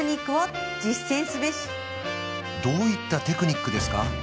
どういったテクニックですか？